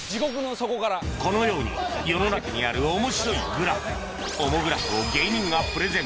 このように世の中にある面白いグラフオモグラフを芸人がプレゼン